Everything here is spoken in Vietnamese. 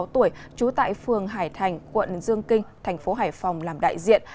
ba mươi tuổi trú tại phường hải thành quận dương kinh thành phố hải phòng làm đại diện